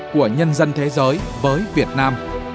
của nhân dân thế giới với việt nam